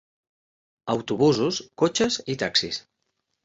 Autobusos, cotxes i taxis.